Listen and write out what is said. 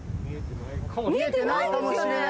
見えてないですよね。